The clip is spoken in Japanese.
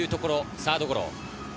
サードゴロ。